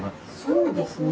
そうですね。